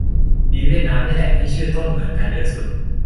มีเวียดนามนี่แหละ ที่ชื่อต้นเหมือนกันเยอะสุด